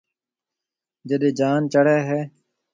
جڏَي جان چڙھيََََ ھيََََ